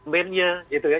mennya gitu ya